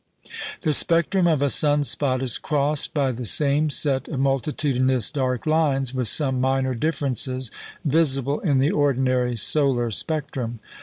The spectrum of a sun spot is crossed by the same set of multitudinous dark lines, with some minor differences, visible in the ordinary solar spectrum.